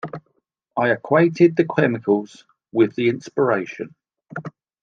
I equated the chemicals with the inspiration.